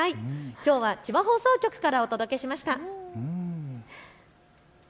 きょうは千葉放送局からお伝えしました。